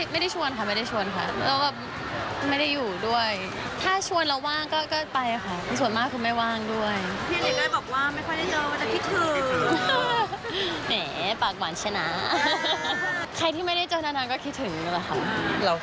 มันน่าจะเป็นแบบว่าภายในครอบครัวด้วยมั้งคะ